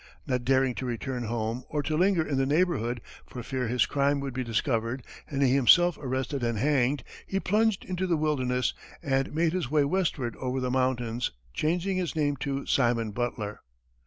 Not daring to return home or to linger in the neighborhood, for fear his crime would be discovered and he himself arrested and hanged, he plunged into the wilderness and made his way westward over the mountains, changing his name to Simon Butler.